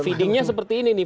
feedingnya seperti ini nih